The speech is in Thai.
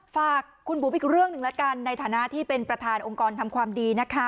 ฝากคุณบุ๋มอีกเรื่องหนึ่งแล้วกันในฐานะที่เป็นประธานองค์กรทำความดีนะคะ